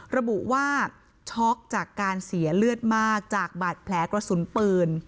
ระบุว่าช็อกจากการเสียเลือดมากจากบาดแผลกระสุนปืน